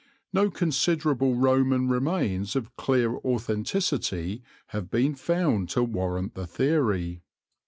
No considerable Roman remains of clear authenticity have been found to warrant the theory.